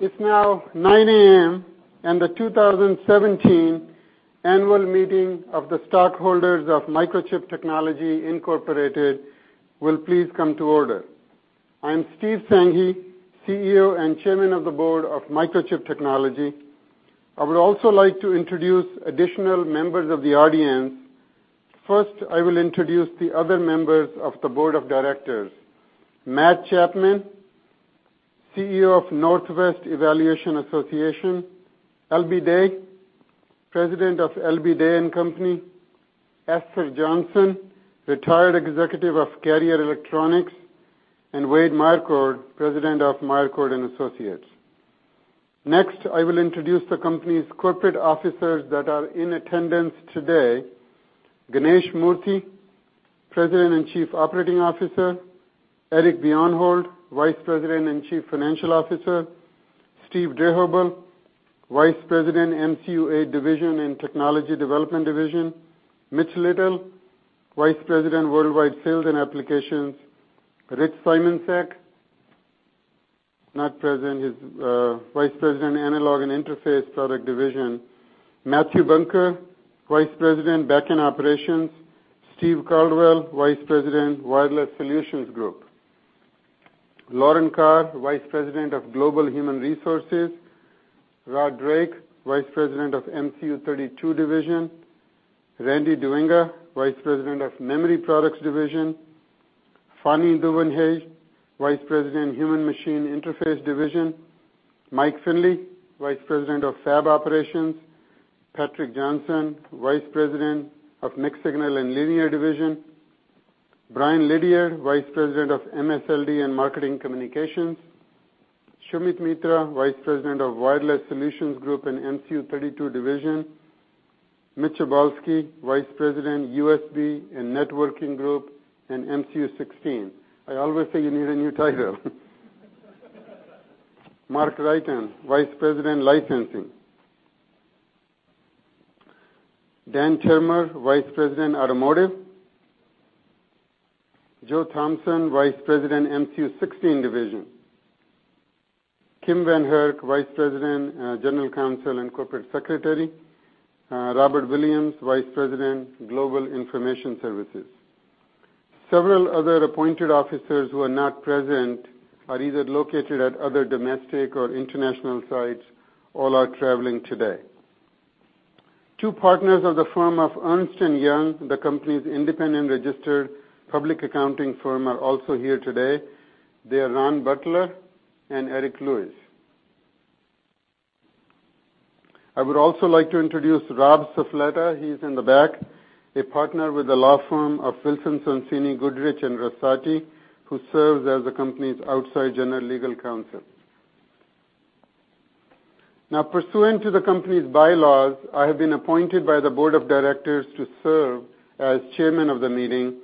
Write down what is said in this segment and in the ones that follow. It is now 9:00 A.M., the 2017 annual meeting of the stockholders of Microchip Technology Incorporated will please come to order. I am Steve Sanghi, CEO and Chairman of the Board of Microchip Technology. I would also like to introduce additional members of the audience. First, I will introduce the other members of the Board of Directors, Matt Chapman, CEO of Northwest Evaluation Association, L.B. Day, President of L.B. Day & Company, Inc., Esther Johnson, retired Executive of Carrier Electronics, and Wade F. Meyercord, President of Marcour & Associates. Next, I will introduce the company's corporate officers that are in attendance today. Ganesh Moorthy, President and Chief Operating Officer, Eric Bjornholt, Vice President and Chief Financial Officer, Steve Drehobl, Vice President, MCU8 division and Technology Development division, Mitch Little, Vice President, Worldwide Sales and Applications, Rich Simoncic, not present. He is Vice President, Analog and Interface Product Division. Mathew B. Bunker, Vice President, Back-End Operations, Steve Caldwell, Vice President, Wireless Solutions Group. Lauren Carr, Vice President of Global Human Resources, Rod Drake, Vice President of MCU32 Division, Randy Dzwings, Vice President of Memory Products Division, Fanie Duvenhage, Vice President, Human Machine Interface Division, Mike Finley, Vice President of Fab Operations, Patrick Johnson, Vice President of Mixed Signal and Linear Division, Bryan Liddiard, Vice President of MSLD and Marketing Communications, Sumit Mitra, Vice President of Wireless Solutions Group and MCU32 Division, Mitch Ogradowski, Vice President, USB and Networking Group and MCU16. I always say you need a new title. Mark Reiten, Vice President licensing. Dan Termer, Vice President, Automotive. Joe Thompson, Vice President, MCU16 Division. Kim Van Herk, Vice President, General Counsel and Corporate Secretary, Robert Williams, Vice President, Global Information Services. Several other appointed officers who are not present are either located at other domestic or international sites, all are traveling today. Two Partners of the firm of Ernst & Young, the company's independent registered public accounting firm, are also here today. They are Ron Butler and Eric Lewis. I would also like to introduce Rob Ishii, he is in the back, a Partner with the law firm of Wilson Sonsini Goodrich & Rosati, who serves as the company's outside general legal counsel. Pursuant to the company's bylaws, I have been appointed by the Board of Directors to serve as Chairman of the meeting.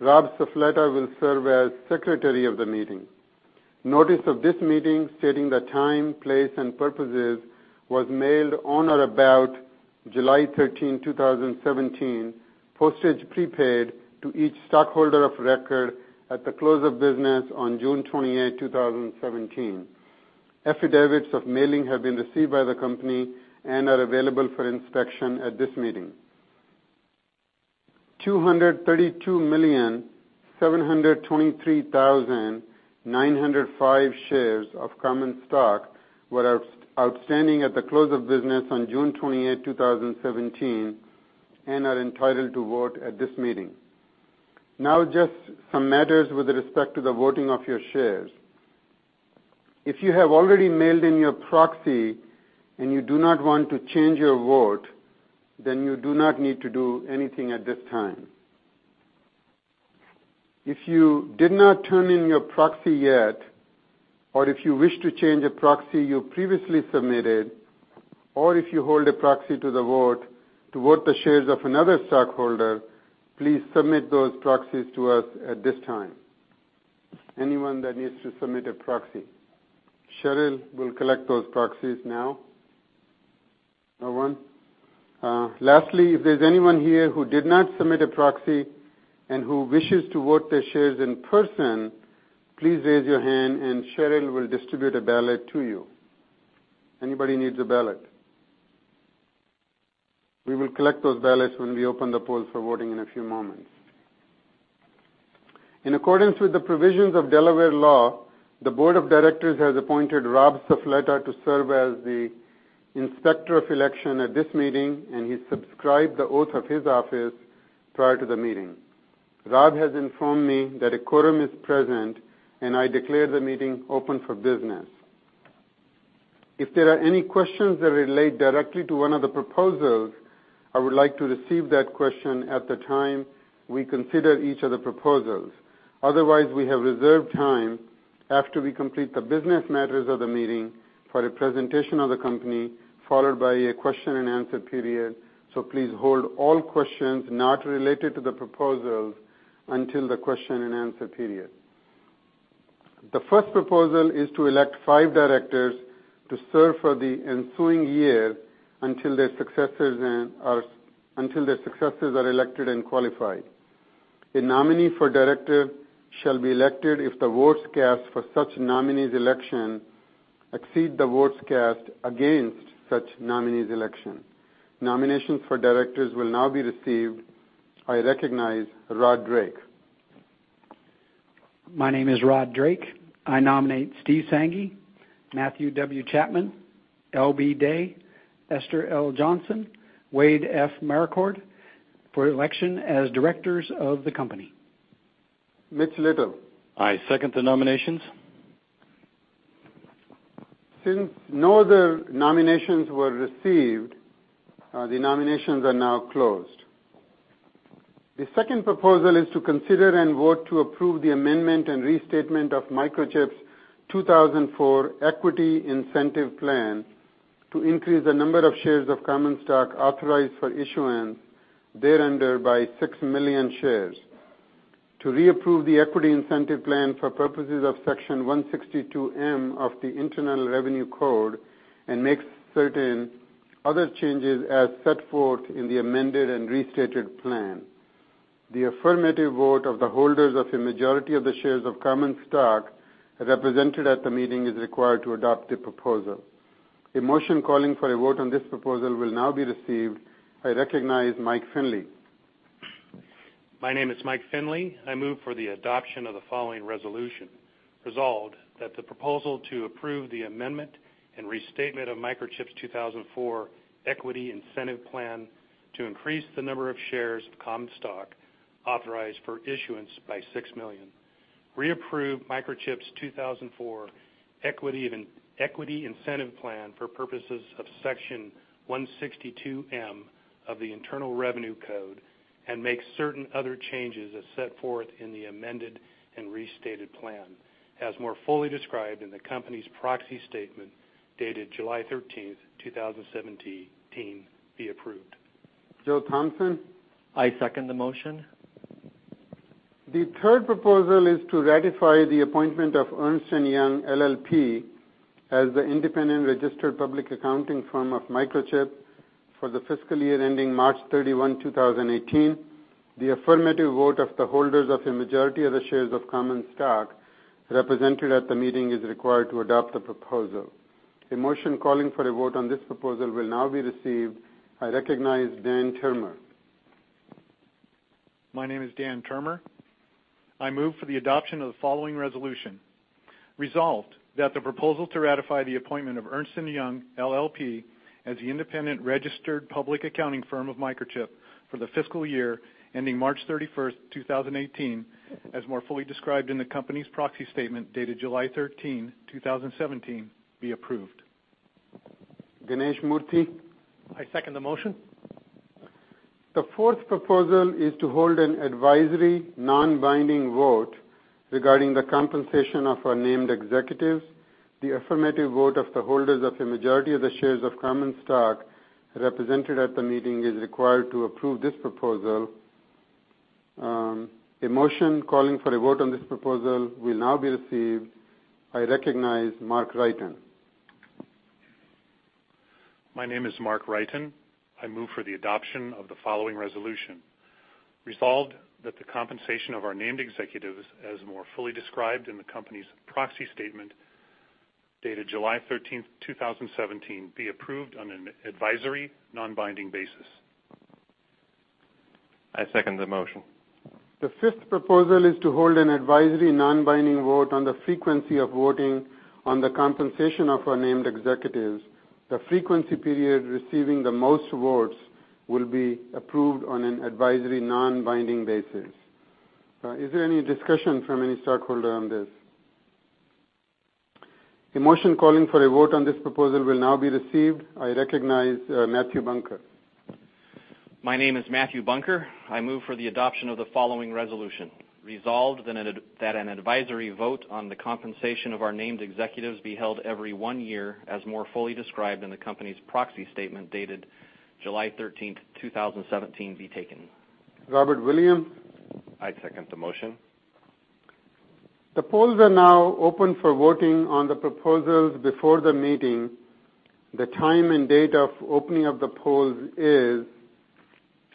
Rob Ishii will serve as Secretary of the meeting. Notice of this meeting, stating the time, place, and purposes, was mailed on or about July 13, 2017, postage prepaid to each stockholder of record at the close of business on June 28, 2017. Affidavits of mailing have been received by the company and are available for inspection at this meeting. 232,723,905 shares of common stock were outstanding at the close of business on June 28, 2017, and are entitled to vote at this meeting. Just some matters with respect to the voting of your shares. If you have already mailed in your proxy and you do not want to change your vote, then you do not need to do anything at this time. If you did not turn in your proxy yet, or if you wish to change a proxy you previously submitted, or if you hold a proxy to vote the shares of another stockholder, please submit those proxies to us at this time. Anyone that needs to submit a proxy? Cheryl will collect those proxies now. No one? If there's anyone here who did not submit a proxy and who wishes to vote their shares in person, please raise your hand and Cheryl will distribute a ballot to you. Anybody needs a ballot? We will collect those ballots when we open the polls for voting in a few moments. In accordance with the provisions of Delaware law, the board of directors has appointed Rob Cefleta to serve as the Inspector of Election at this meeting, and he subscribed the oath of his office prior to the meeting. Rob has informed me that a quorum is present, and I declare the meeting open for business. If there are any questions that relate directly to one of the proposals, I would like to receive that question at the time we consider each of the proposals. We have reserved time after we complete the business matters of the meeting for a presentation of the company, followed by a question and answer period. So please hold all questions not related to the proposals until the question and answer period. The first proposal is to elect five directors to serve for the ensuing year until their successors are elected and qualified. A nominee for director shall be elected if the votes cast for such nominee's election exceed the votes cast against such nominee's election. Nominations for directors will now be received. I recognize Rod Drake. My name is Rod Drake. I nominate Steve Sanghi, Matthew W. Chapman, L.B. Day, Esther L. Johnson, Wade F. Meyercord, for election as directors of the company. Mitch Little. I second the nominations. Since no other nominations were received, the nominations are now closed. The second proposal is to consider and vote to approve the amendment and restatement of Microchip's 2004 Equity Incentive Plan to increase the number of shares of common stock authorized for issuance thereunder by 6 million shares, to reapprove the Equity Incentive Plan for purposes of Section 162 of the Internal Revenue Code, and make certain other changes as set forth in the amended and restated plan. The affirmative vote of the holders of a majority of the shares of common stock represented at the meeting is required to adopt the proposal. A motion calling for a vote on this proposal will now be received. I recognize Mike Finley. My name is Mike Finley. I move for the adoption of the following resolution. Resolved, that the proposal to approve the amendment and restatement of Microchip's 2004 Equity Incentive Plan to increase the number of shares of common stock authorized for issuance by 6 million, reapprove Microchip's 2004 Equity Incentive Plan for purposes of Section 162 of the Internal Revenue Code, and make certain other changes as set forth in the amended and restated plan, as more fully described in the company's proxy statement, dated July 13th, 2017, be approved. Joe Thompson. I second the motion. The third proposal is to ratify the appointment of Ernst & Young LLP as the independent registered public accounting firm of Microchip for the fiscal year ending March 31, 2018. The affirmative vote of the holders of a majority of the shares of common stock represented at the meeting is required to adopt the proposal. A motion calling for a vote on this proposal will now be received. I recognize Dan Termer. My name is Dan Termer. I move for the adoption of the following resolution. Resolved, that the proposal to ratify the appointment of Ernst & Young LLP as the independent registered public accounting firm of Microchip for the fiscal year ending March 31st, 2018, as more fully described in the company's proxy statement, dated July 13, 2017, be approved. Ganesh Moorthy. I second the motion. The fourth proposal is to hold an advisory, non-binding vote regarding the compensation of our named executives. The affirmative vote of the holders of a majority of the shares of common stock represented at the meeting is required to approve this proposal. A motion calling for a vote on this proposal will now be received. I recognize Mark Reiten. My name is Mark Reiten. I move for the adoption of the following resolution. Resolved, that the compensation of our named executives, as more fully described in the company's proxy statement, dated July 13th, 2017, be approved on an advisory, non-binding basis. I second the motion. The fifth proposal is to hold an advisory, non-binding vote on the frequency of voting on the compensation of our named executives. The frequency period receiving the most votes will be approved on an advisory, non-binding basis. Is there any discussion from any stockholder on this? A motion calling for a vote on this proposal will now be received. I recognize Matthew Bunker. My name is Matthew Bunker. I move for the adoption of the following resolution. Resolved, that an advisory vote on the compensation of our named executives be held every one year, as more fully described in the company's proxy statement, dated July 13th, 2017, be taken. Robert Williams. I second the motion. The polls are now open for voting on the proposals before the meeting. The time and date of opening of the polls is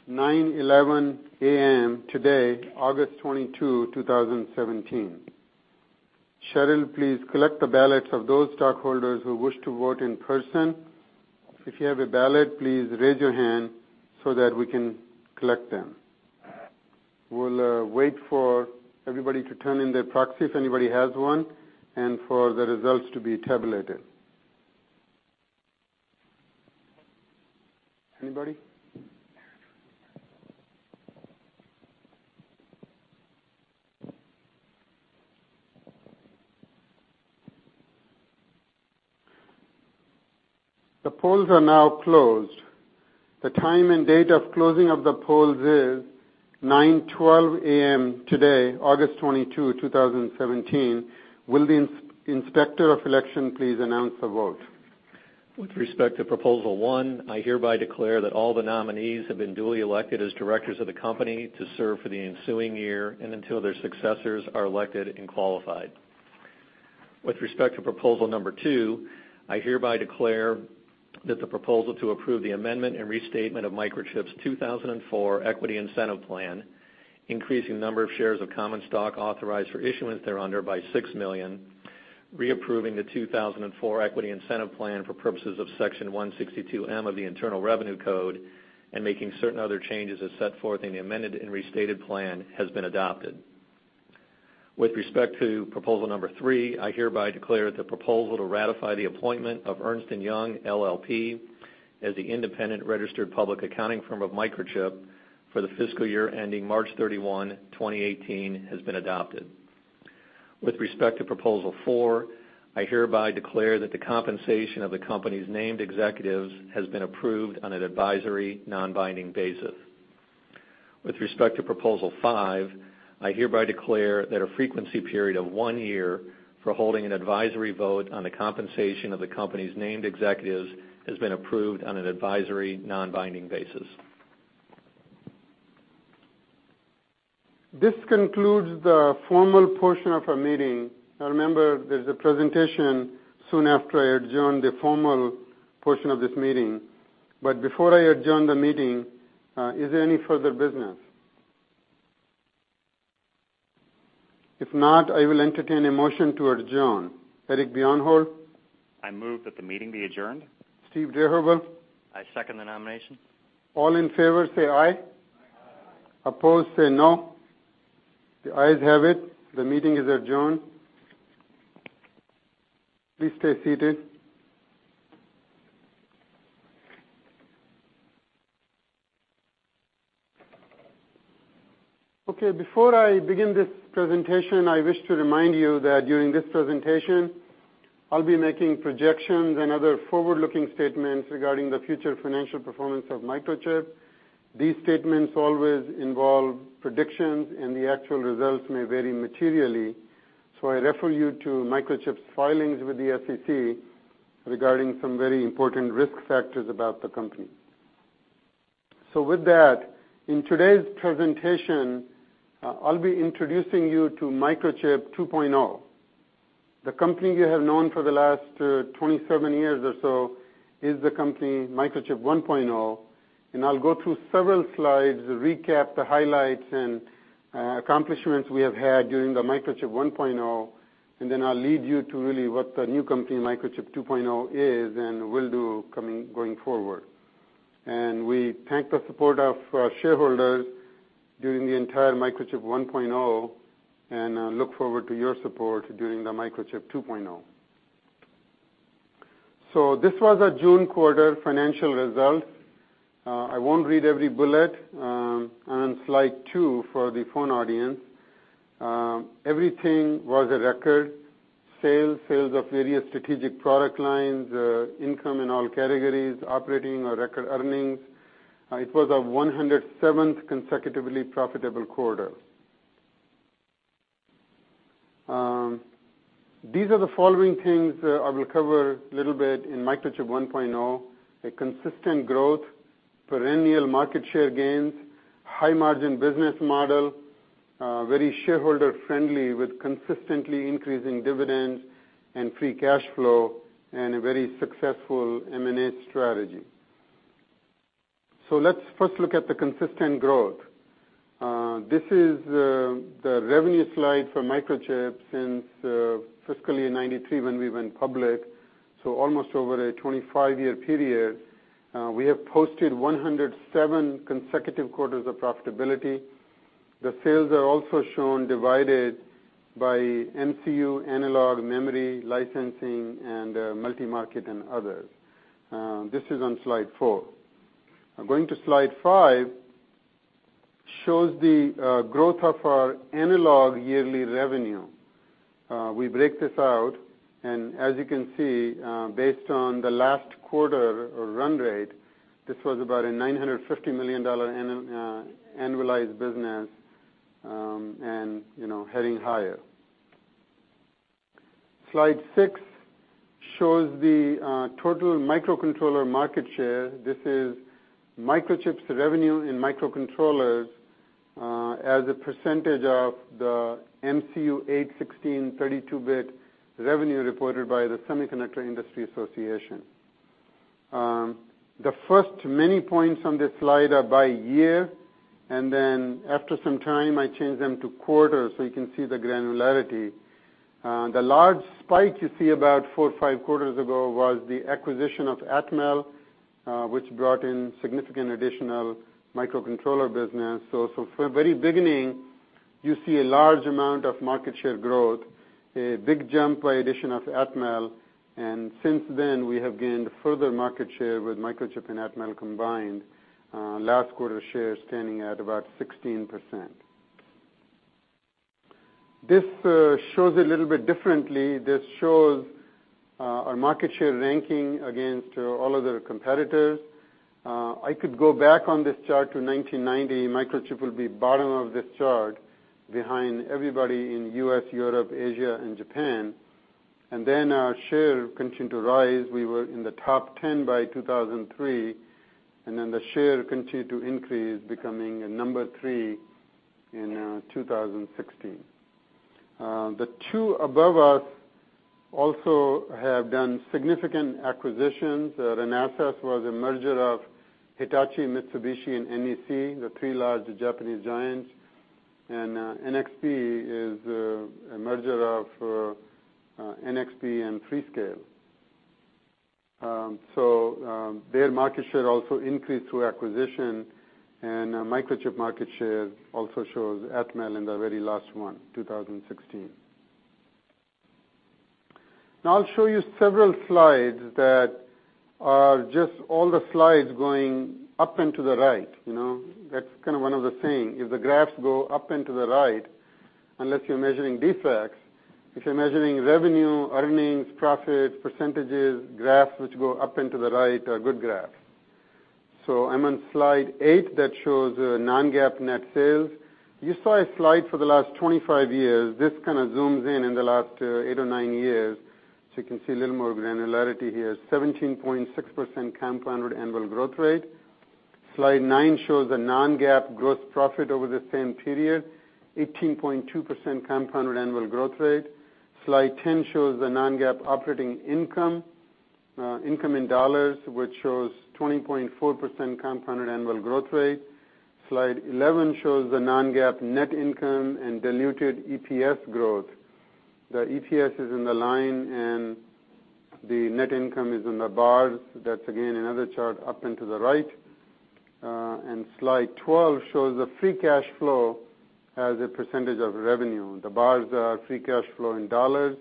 9:11 A.M. today, August 22, 2017. Cheryl, please collect the ballots of those stockholders who wish to vote in person. If you have a ballot, please raise your hand so that we can collect them. We'll wait for everybody to turn in their proxy, if anybody has one, and for the results to be tabulated. Anybody? The polls are now closed. The time and date of closing of the polls is 9:12 A.M. today, August 22, 2017. Will the inspector of election please announce the vote? With respect to proposal 1, I hereby declare that all the nominees have been duly elected as directors of the company to serve for the ensuing year and until their successors are elected and qualified. With respect to proposal number 2, I hereby declare that the proposal to approve the amendment and restatement of Microchip's 2004 Equity Incentive Plan, increasing the number of shares of common stock authorized for issuance thereunder by 6 million, reapproving the 2004 Equity Incentive Plan for purposes of Section 162(m) of the Internal Revenue Code, and making certain other changes as set forth in the amended and restated plan, has been adopted. With respect to proposal number 3, I hereby declare that the proposal to ratify the appointment of Ernst & Young LLP as the independent registered public accounting firm of Microchip for the fiscal year ending March 31, 2018, has been adopted. With respect to proposal 4, I hereby declare that the compensation of the company's named executives has been approved on an advisory, non-binding basis. With respect to proposal 5, I hereby declare that a frequency period of one year for holding an advisory vote on the compensation of the company's named executives has been approved on an advisory, non-binding basis. This concludes the formal portion of our meeting. Remember, there's a presentation soon after I adjourn the formal portion of this meeting. Before I adjourn the meeting, is there any further business? If not, I will entertain a motion to adjourn. Eric Bjornholt? I move that the meeting be adjourned. Steve Drehobl? I second the nomination. All in favor say aye. Aye. Opposed, say no. The ayes have it. The meeting is adjourned. Please stay seated. Before I begin this presentation, I wish to remind you that during this presentation, I'll be making projections and other forward-looking statements regarding the future financial performance of Microchip. These statements always involve predictions, and the actual results may vary materially, so I refer you to Microchip's filings with the SEC regarding some very important risk factors about the company. With that, in today's presentation, I'll be introducing you to Microchip 2.0. The company you have known for the last 27 years or so is the company Microchip 1.0. I'll go through several slides to recap the highlights and accomplishments we have had during the Microchip 1.0. I'll lead you to really what the new company, Microchip 2.0, is and will do going forward. We thank the support of shareholders during the entire Microchip 1.0, and look forward to your support during the Microchip 2.0. This was our June quarter financial result. I won't read every bullet. On slide two, for the phone audience, everything was a record. Sales of various strategic product lines, income in all categories, operating our record earnings. It was our 107th consecutively profitable quarter. These are the following things I will cover a little bit in Microchip 1.0. A consistent growth, perennial market share gains, high margin business model, very shareholder friendly with consistently increasing dividends and free cash flow, and a very successful M&A strategy. Let's first look at the consistent growth. This is the revenue slide for Microchip since fiscal year 1993 when we went public, so almost over a 25-year period. We have posted 107 consecutive quarters of profitability. The sales are also shown divided by MCU, analog, memory, licensing, and multi-market and others. This is on slide four. Going to slide five, shows the growth of our analog yearly revenue. We break this out. As you can see, based on the last quarter run rate, this was about a $950 million annualized business, and heading higher. Slide six shows the total microcontroller market share. This is Microchip's revenue in microcontrollers as a percentage of the MCU 8, 16, 32-bit revenue reported by the Semiconductor Industry Association. The first many points on this slide are by year. Then after some time, I changed them to quarters, so you can see the granularity. The large spike you see about four or five quarters ago was the acquisition of Atmel, which brought in significant additional microcontroller business. From the very beginning, you see a large amount of market share growth, a big jump by addition of Atmel. Since then, we have gained further market share with Microchip and Atmel combined, last quarter's share standing at about 16%. This shows a little bit differently. This shows our market share ranking against all other competitors. I could go back on this chart to 1990. Microchip will be bottom of this chart behind everybody in U.S., Europe, Asia, and Japan. Then our share continued to rise. We were in the top 10 by 2003. Then the share continued to increase, becoming number three in 2016. The two above us also have done significant acquisitions. Renesas was a merger of Hitachi, Mitsubishi, and NEC, the three large Japanese giants. NXP is a merger of NXP and Freescale. Their market share also increased through acquisition. Microchip market share also shows Atmel in the very last one, 2016. I'll show you several slides that are just all the slides going up and to the right. That's kind of one of the saying, if the graphs go up and to the right, unless you're measuring defects, if you're measuring revenue, earnings, profits, percentages, graphs which go up and to the right are good graphs. I'm on slide eight that shows non-GAAP net sales. You saw a slide for the last 25 years. This kind of zooms in in the last eight or nine years, so you can see a little more granularity here. 17.6% compounded annual growth rate. Slide nine shows the non-GAAP gross profit over the same period, 18.2% compounded annual growth rate. Slide 10 shows the non-GAAP operating income in $, which shows 20.4% compounded annual growth rate. Slide 11 shows the non-GAAP net income and diluted EPS growth. The EPS is in the line, and the net income is in the bars. That's again another chart up and to the right. Slide 12 shows the free cash flow as a % of revenue. The bars are free cash flow in $,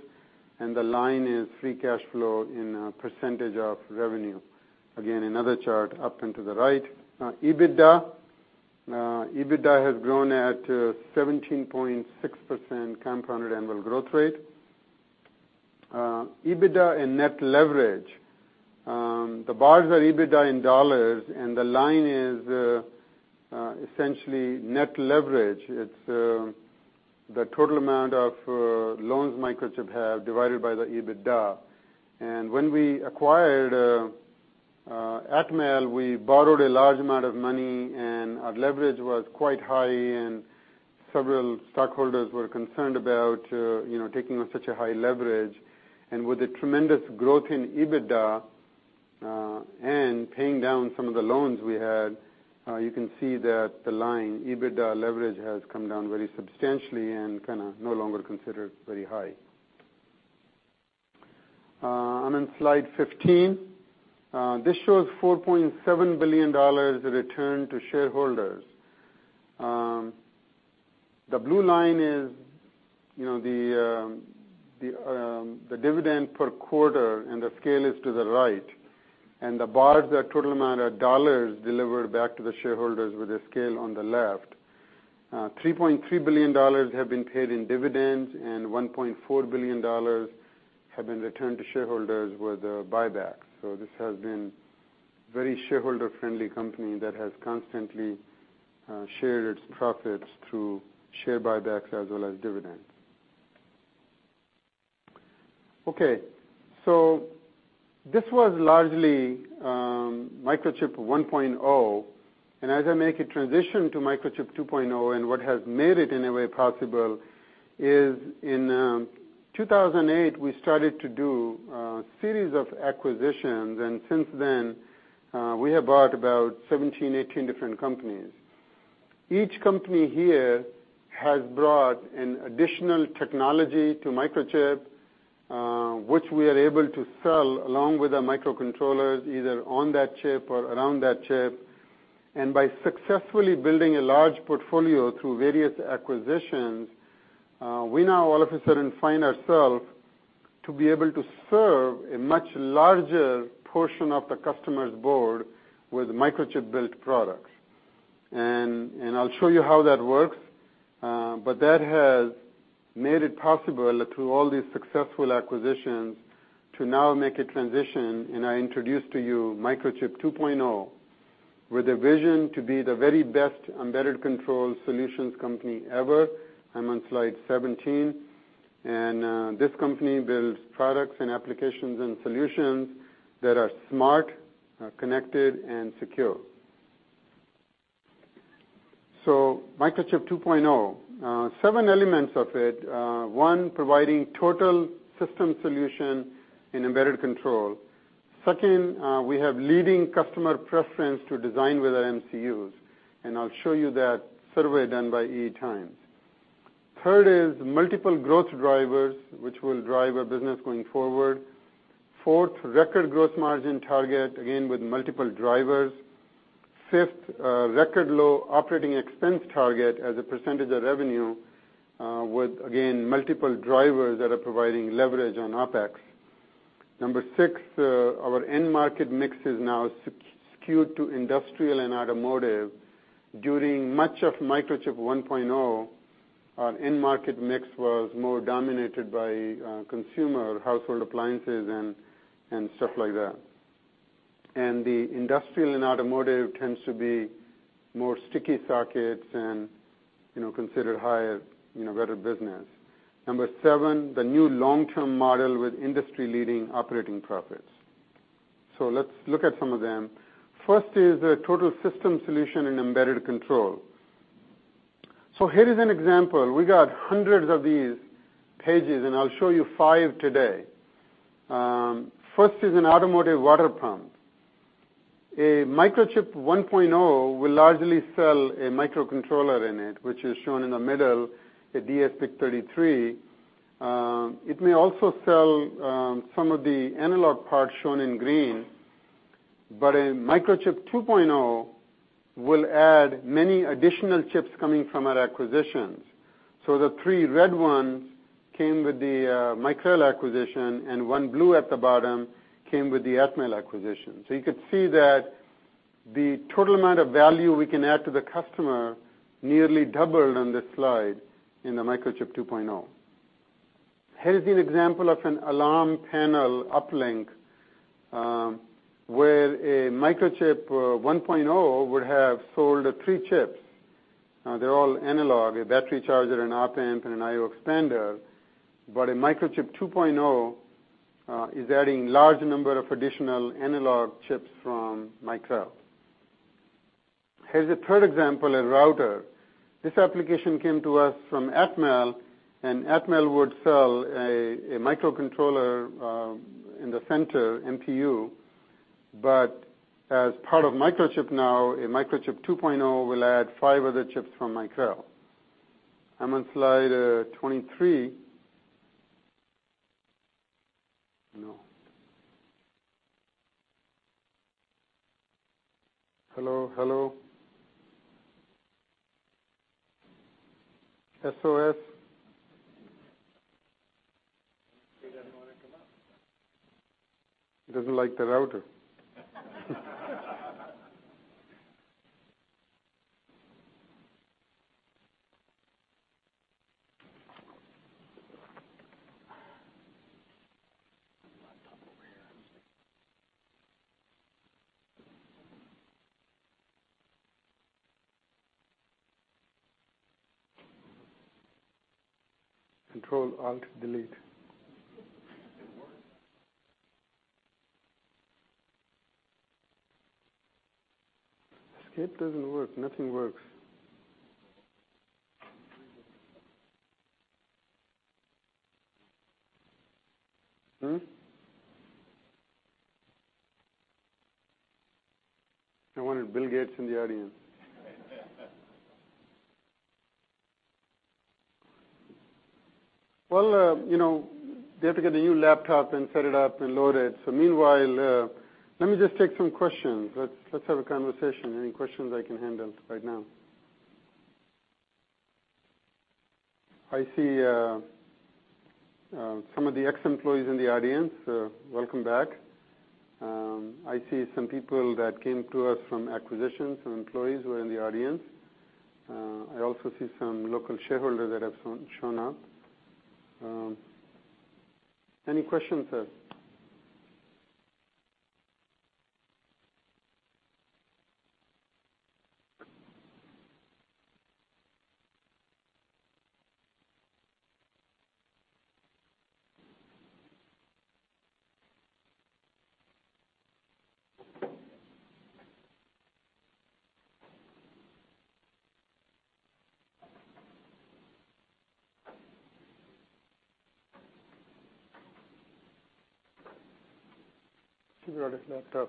and the line is free cash flow in % of revenue. Again, another chart up and to the right. EBITDA. EBITDA has grown at 17.6% compounded annual growth rate. EBITDA and net leverage. The bars are EBITDA in $, and the line is essentially net leverage. It's the total amount of loans Microchip have divided by the EBITDA. When we acquired Atmel, we borrowed a large amount of money and our leverage was quite high and several stockholders were concerned about taking on such a high leverage. With the tremendous growth in EBITDA, paying down some of the loans we had, you can see that the line EBITDA leverage has come down very substantially and kind of no longer considered very high. I'm on slide 15. This shows $4.7 billion return to shareholders. The blue line is the dividend per quarter, and the scale is to the right, and the bars are total amount of $ delivered back to the shareholders with the scale on the left. $3.3 billion have been paid in dividends, and $1.4 billion have been returned to shareholders with buybacks. This has been very shareholder-friendly company that has constantly shared its profits through share buybacks as well as dividends. Okay. This was largely Microchip 1.0. As I make a transition to Microchip 2.0, what has made it in a way possible is in 2008, we started to do a series of acquisitions. Since then, we have bought about 17, 18 different companies. Each company here has brought an additional technology to Microchip, which we are able to sell along with our microcontrollers, either on that chip or around that chip. By successfully building a large portfolio through various acquisitions, we now all of a sudden find ourselves to be able to serve a much larger portion of the customer's board with Microchip-built products. I'll show you how that works. That has made it possible through all these successful acquisitions to now make a transition, I introduce to you Microchip 2.0, with a vision to be the very best embedded control solutions company ever. I'm on slide 17. This company builds products and applications and solutions that are smart, connected, and secure. Microchip 2.0. Seven elements of it. One, providing total system solution in embedded control. Second, we have leading customer preference to design with our MCUs, and I'll show you that survey done by EE Times. Third is multiple growth drivers, which will drive our business going forward. Fourth, record growth margin target, again with multiple drivers. Fifth, record low operating expense target as a percentage of revenue, with again, multiple drivers that are providing leverage on OpEx. Number six, our end market mix is now skewed to industrial and automotive. During much of Microchip 1.0, our end market mix was more dominated by consumer household appliances and stuff like that. The industrial and automotive tends to be more sticky sockets and considered higher, better business. Number seven, the new long-term model with industry-leading operating profits. Let's look at some of them. First is the total system solution in embedded control. Here is an example. We got hundreds of these pages, and I'll show you five today. First is an automotive water pump. A Microchip 1.0 will largely sell a microcontroller in it, which is shown in the middle, a dsPIC33. It may also sell some of the analog parts shown in green, but a Microchip 2.0 will add many additional chips coming from our acquisitions. The three red ones came with the Micrel acquisition, and one blue at the bottom came with the Atmel acquisition. You could see that the total amount of value we can add to the customer nearly doubled on this slide in the Microchip 2.0. Here is an example of an alarm panel uplink, where a Microchip 1.0 would have sold three chips. They're all analog, a battery charger, an op-amp, and an I/O expander. A Microchip 2.0 is adding large number of additional analog chips from Micrel. Here's a third example, a router. This application came to us from Atmel, and Atmel would sell a microcontroller in the center, MPU. As part of Microchip now, a Microchip 2.0 will add five other chips from Micrel. I'm on slide 23. No. Hello, hello. SOS. It doesn't want to come up. It doesn't like the router. There's a laptop over here. Control, alt, delete. It works? Escape doesn't work. Nothing works. I wanted Bill Gates in the audience. Well, they have to get a new laptop and set it up and load it. Meanwhile, let me just take some questions. Let's have a conversation. Any questions I can handle right now? I see some of the ex-employees in the audience. Welcome back. I see some people that came to us from acquisitions, some employees who are in the audience. I also see some local shareholders that have shown up. Any questions? Should have brought a laptop. I've got one. Let me go to Vijay. Who's Vijay? Well, we can play [inaudible] over there. Oh. 23. Do you have the cord? I could just use it here. Okay. God.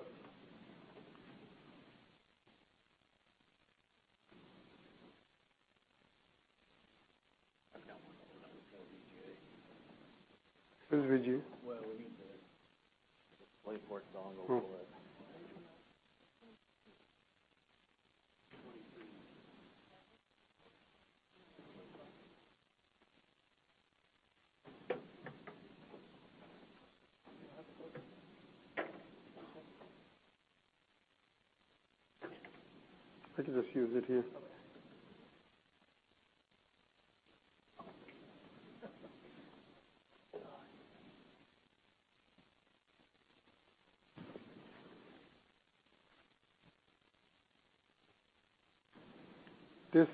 This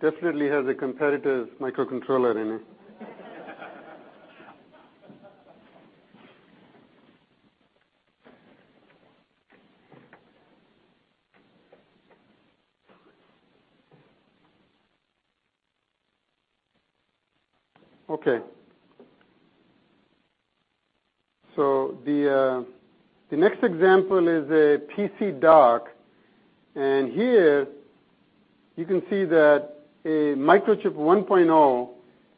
definitely has a competitor's microcontroller in it. Okay. The next example is a PC dock, here you can see that a Microchip 1.0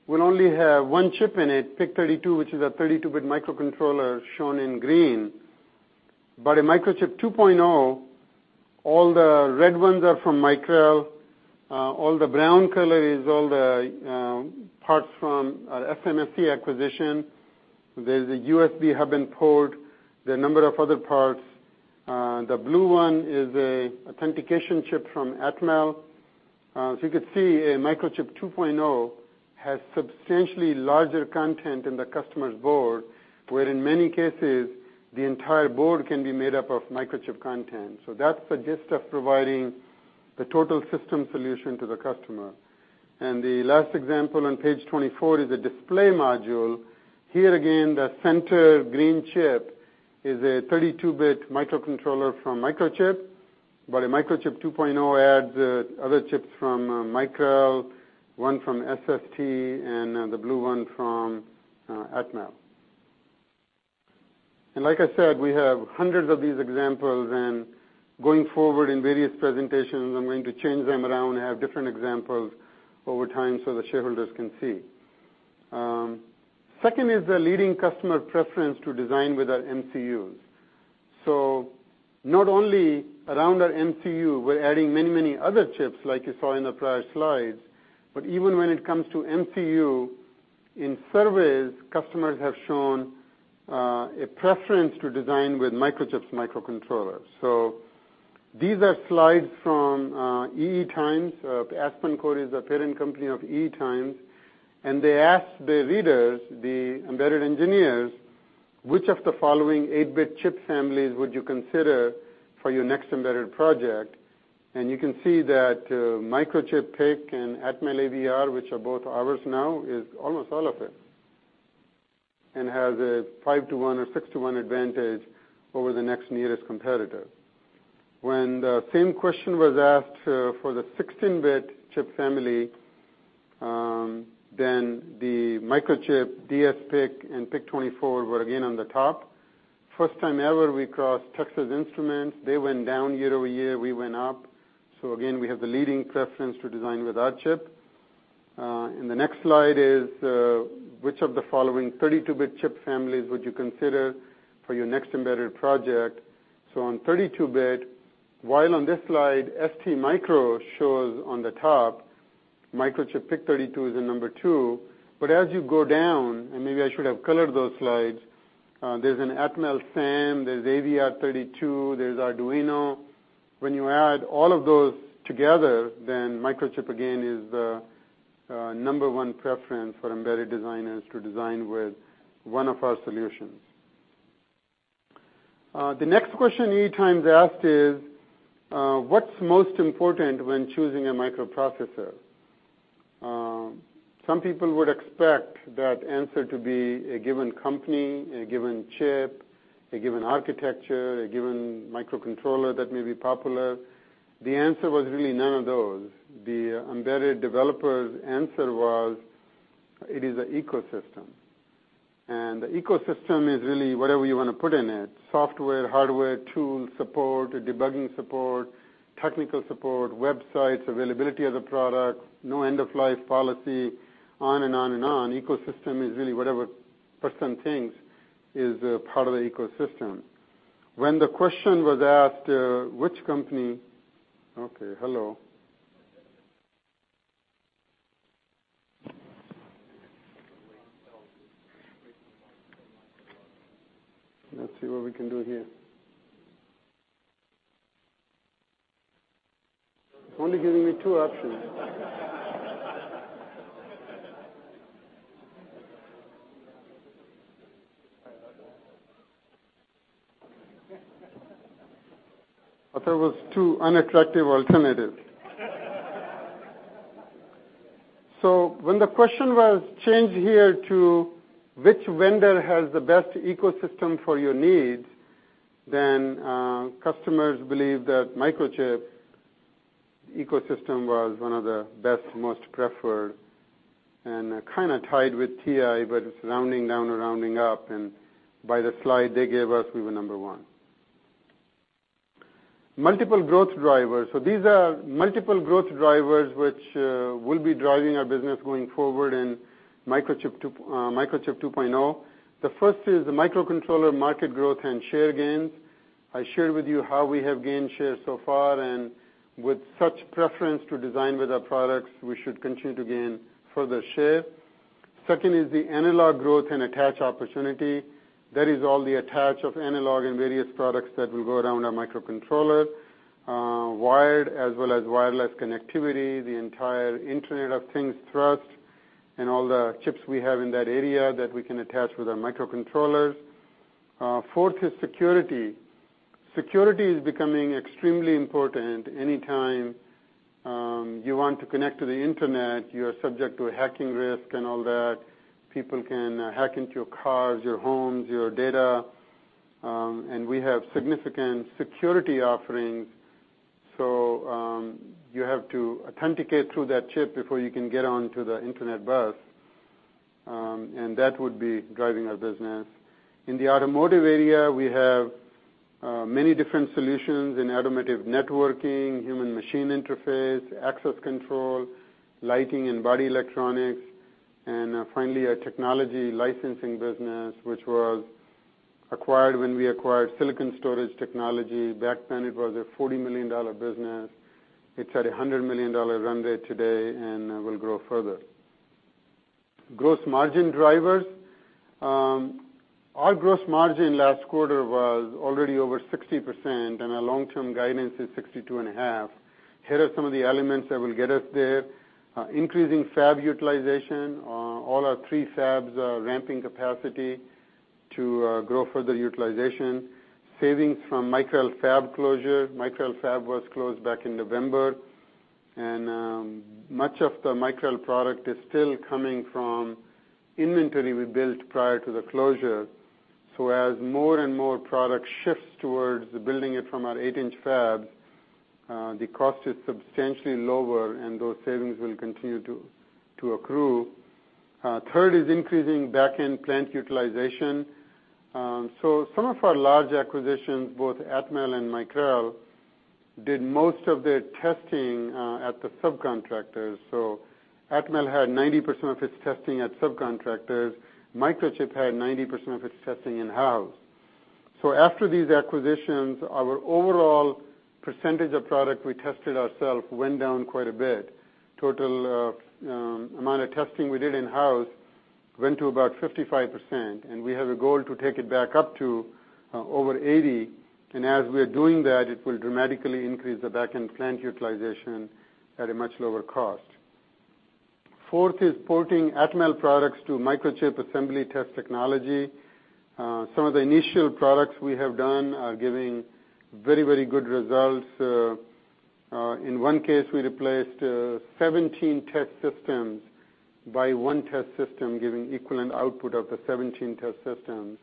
will only have one chip in it, PIC32, which is a 32-bit microcontroller, shown in green. A Microchip 2.0, all the red ones are from Micrel. All the brown color is all the parts from our SMSC acquisition. There is a USB hub and port, there are a number of other parts. The blue one is an authentication chip from Atmel. You could see a Microchip 2.0 has substantially larger content in the customer's board, where in many cases, the entire board can be made up of Microchip content. That is the gist of providing the total system solution to the customer. The last example on page 24 is a display module. Here again, the center green chip is a 32-bit microcontroller from Microchip, but a Microchip 2.0 adds other chips from Micrel, one from SST, and the blue one from Atmel. Like I said, we have hundreds of these examples, and going forward in various presentations, I'm going to change them around and have different examples over time so the shareholders can see. Second is the leading customer preference to design with our MCUs. Not only around our MCU, we're adding many other chips like you saw in the prior slides, but even when it comes to MCU, in surveys, customers have shown a preference to design with Microchip's microcontrollers. These are slides from EE Times. AspenCore is the parent company of EE Times, and they asked their readers, the embedded engineers, which of the following 8-bit chip families would you consider for your next embedded project? You can see that Microchip PIC and Atmel AVR, which are both ours now, is almost all of it, and has a 5 to 1 or 6 to 1 advantage over the next nearest competitor. The same question was asked for the 16-bit chip family, then the Microchip dsPIC and PIC24 were again on the top. First time ever, we crossed Texas Instruments. They went down year-over-year, we went up. Again, we have the leading preference to design with our chip. In the next slide is, which of the following 32-bit chip families would you consider for your next embedded project? On 32-bit, while on this slide, STMicro shows on the top, Microchip PIC32 is the number two. As you go down, and maybe I should have colored those slides, there's an Atmel SAM, there's AVR32, there's Arduino. When you add all of those together, Microchip again is the number one preference for embedded designers to design with one of our solutions. The next question EE Times asked is, what's most important when choosing a microprocessor? Some people would expect that answer to be a given company, a given chip, a given architecture, a given microcontroller that may be popular. The answer was really none of those. The embedded developer's answer was, it is an ecosystem. The ecosystem is really whatever you want to put in it, software, hardware, tools, support, debugging support, technical support, websites, availability of the product, no end-of-life policy, on and on. Ecosystem is really whatever person thinks is a part of the ecosystem. When the question was asked, which company-- Okay, hello. Let's see what we can do here. Only giving me two options. There was two unattractive alternatives. When the question was changed here to which vendor has the best ecosystem for your needs, customers believe that Microchip ecosystem was one of the best, most preferred, and kind of tied with TI, but it's rounding down or rounding up, and by the slide they gave us, we were number one. Multiple growth drivers. These are multiple growth drivers which will be driving our business going forward in Microchip 2.0. The first is the microcontroller market growth and share gains. I shared with you how we have gained share so far, and with such preference to design with our products, we should continue to gain further share. Second is the analog growth and attach opportunity. That is all the attach of analog and various products that will go around our microcontrollers, wired as well as wireless connectivity, the entire Internet of Things thrust, and all the chips we have in that area that we can attach with our microcontrollers. Fourth is security. Security is becoming extremely important. Anytime you want to connect to the Internet, you are subject to a hacking risk and all that. People can hack into your cars, your homes, your data, and we have significant security offerings. You have to authenticate through that chip before you can get on to the Internet bus, and that would be driving our business. In the automotive area, we have many different solutions in automotive networking, human machine interface, access control, lighting and body electronics. Finally, our technology licensing business, which was acquired when we acquired Silicon Storage Technology. Back then, it was a $40 million business. It's at a $100 million run rate today and will grow further. Gross margin drivers. Our gross margin last quarter was already over 60%, and our long-term guidance is 62.5%. Here are some of the elements that will get us there. Increasing fab utilization. All our three fabs are ramping capacity. To grow further utilization, savings from Micrel fab closure. Micrel fab was closed back in November, and much of the Micrel product is still coming from inventory we built prior to the closure. As more and more product shifts towards building it from our eight-inch fab, the cost is substantially lower, and those savings will continue to accrue. Third is increasing back-end plant utilization. Some of our large acquisitions, both Atmel and Micrel, did most of their testing at the subcontractors. Atmel had 90% of its testing at subcontractors. Microchip had 90% of its testing in-house. After these acquisitions, our overall percentage of product we tested ourself went down quite a bit. Total amount of testing we did in-house went to about 55%, and we have a goal to take it back up to over 80%. As we are doing that, it will dramatically increase the back-end plant utilization at a much lower cost. Fourth is porting Atmel products to Microchip assembly test technology. Some of the initial products we have done are giving very good results. In one case, we replaced 17 test systems by one test system, giving equivalent output of the 17 test systems.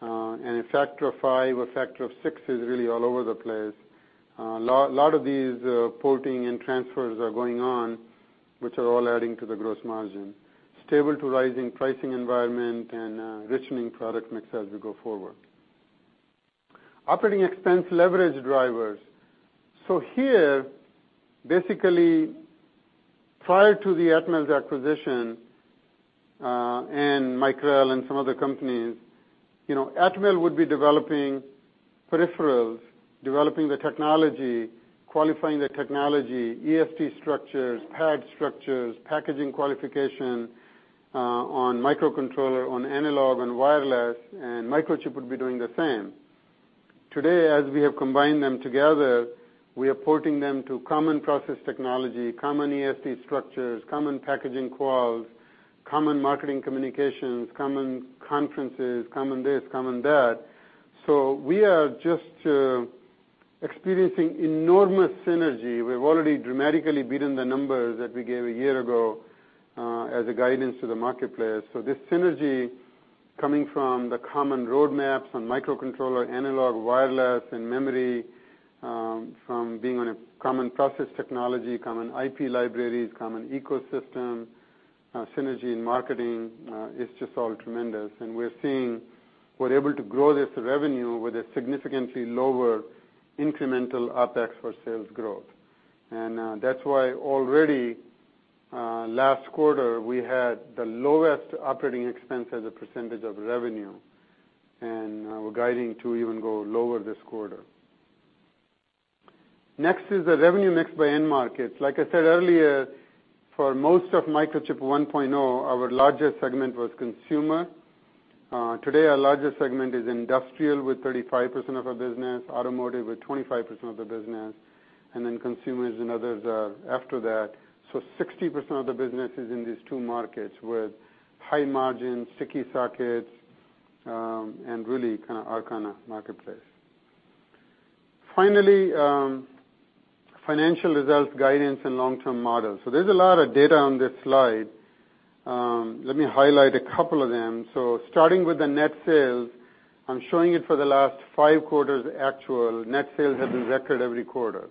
A factor of five or factor of six is really all over the place. A lot of these porting and transfers are going on, which are all adding to the gross margin, stable to rising pricing environment and riching product mix as we go forward. Operating expense leverage drivers. Here, basically, prior to the Atmel acquisition, Micrel and some other companies, Atmel would be developing peripherals, developing the technology, qualifying the technology, ESD structures, pad structures, packaging qualification on microcontroller, on analog and wireless, and Microchip would be doing the same. Today, as we have combined them together, we are porting them to common process technology, common ESD structures, common packaging quals, common marketing communications, common conferences, common this, common that. We have already dramatically beaten the numbers that we gave a year ago as a guidance to the marketplace. This synergy coming from the common roadmaps on microcontroller, analog, wireless, and memory, from being on a common process technology, common IP libraries, common ecosystem, synergy in marketing, is just all tremendous. We're able to grow this revenue with a significantly lower incremental OpEx for sales growth. That's why already, last quarter, we had the lowest operating expense as a percentage of revenue, and we're guiding to even go lower this quarter. Next is the revenue mix by end markets. Like I said earlier, for most of Microchip 1.0, our largest segment was consumer. Today, our largest segment is industrial with 35% of our business, automotive with 25% of the business, and then consumers and others are after that. 60% of the business is in these two markets, with high margin, sticky sockets, and really our kind of marketplace. Finally, financial results, guidance, and long-term models. There's a lot of data on this slide. Let me highlight a couple of them. Starting with the net sales, I'm showing it for the last five quarters actual. Net sales have been record every quarter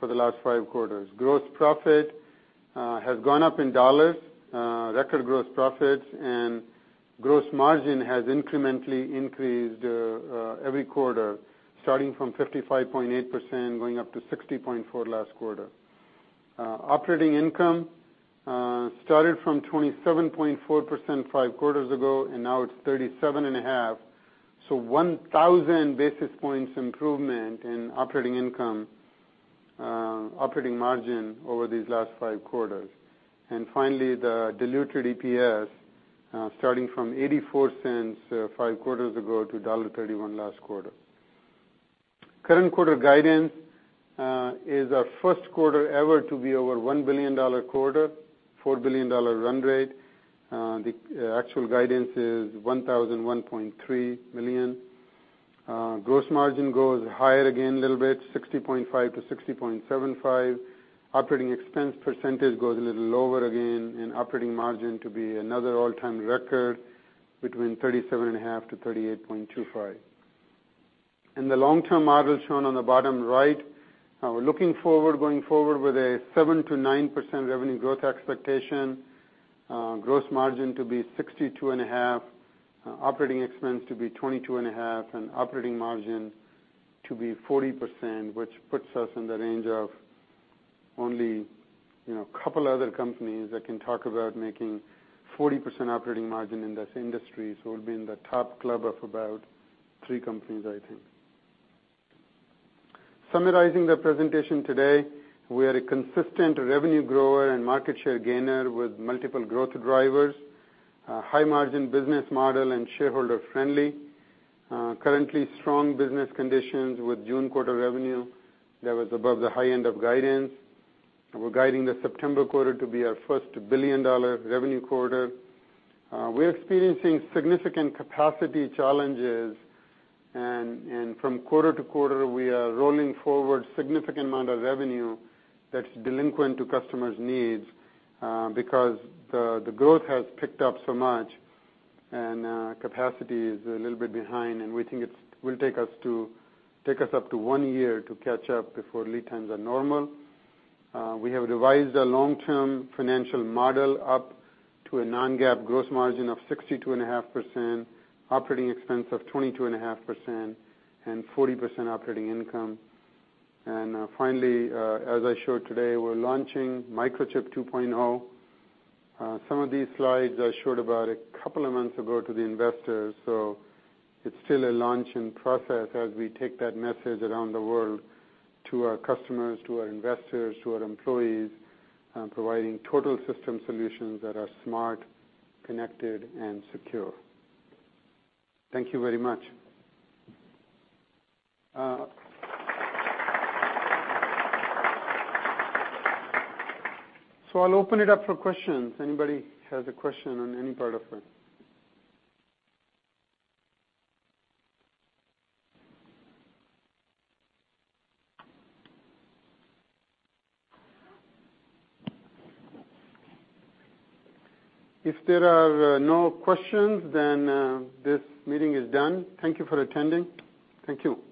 for the last five quarters. Gross profit has gone up in dollars, record gross profits, and gross margin has incrementally increased every quarter, starting from 55.8%, going up to 60.4% last quarter. Operating income started from 27.4% five quarters ago, and now it's 37.5%, 1,000 basis points improvement in operating margin over these last five quarters. Finally, the diluted EPS, starting from $0.84 five quarters ago to $1.31 last quarter. Current quarter guidance is our first quarter ever to be over $1 billion quarter, $4 billion run rate. The actual guidance is $1,001.3 million. Gross margin goes higher again a little bit, 60.5%-60.75%. Operating expense percentage goes a little lower again, and operating margin to be another all-time record between 37.5%-38.25%. In the long-term model shown on the bottom right, we're looking forward going forward with a 7%-9% revenue growth expectation, gross margin to be 62.5%, operating expense to be 22.5%, and operating margin to be 40%, which puts us in the range of only couple other companies that can talk about making 40% operating margin in this industry. We'll be in the top club of about three companies, I think. Summarizing the presentation today, we are a consistent revenue grower and market share gainer with multiple growth drivers, a high margin business model, and shareholder friendly. Currently strong business conditions with June quarter revenue that was above the high end of guidance. We're guiding the September quarter to be our first billion-dollar revenue quarter. We're experiencing significant capacity challenges, and from quarter to quarter, we are rolling forward significant amount of revenue that's delinquent to customers' needs, because the growth has picked up so much and capacity is a little bit behind, and we think it will take us up to one year to catch up before lead times are normal. We have revised our long-term financial model up to a non-GAAP gross margin of 62.5%, operating expense of 22.5%, and 40% operating income. Finally, as I showed today, we're launching Microchip 2.0. Some of these slides I showed about a couple of months ago to the investors, so it's still a launch in process as we take that message around the world to our customers, to our investors, to our employees, providing total system solutions that are smart, connected, and secure. Thank you very much. I'll open it up for questions. Anybody has a question on any part of it? If there are no questions, this meeting is done. Thank you for attending. Thank you.